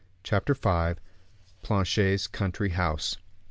Chapter V. Planchet's Country House.